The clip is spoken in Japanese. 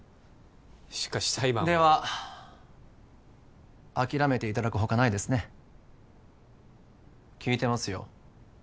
しかし裁判はでは諦めていただくほかないですね聞いてますよ